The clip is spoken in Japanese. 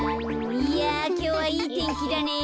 いやきょうはいいてんきだね。